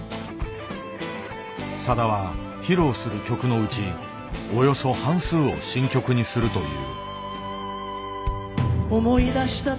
さだは披露する曲のうちおよそ半数を新曲にするという。